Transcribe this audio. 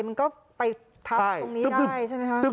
มันก็ไปทับตรงนี้ได้ใช่ไหมคะ